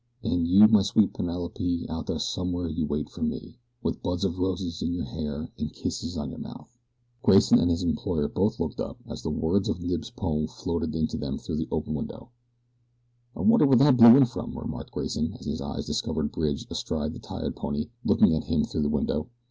And you, my sweet Penelope, out there somewhere you wait for me, With buds of roses in your hair and kisses on your mouth. Grayson and his employer both looked up as the words of Knibbs' poem floated in to them through the open window. "I wonder where that blew in from," remarked Grayson, as his eyes discovered Bridge astride the tired pony, looking at him through the window.